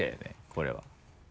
これは。